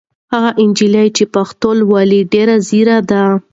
هغه نجلۍ چې پښتو لولي ډېره ځېره ده.